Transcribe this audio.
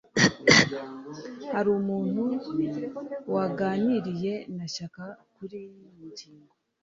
Hari umuntu waganiriye na Shaka kuriyi ngingo?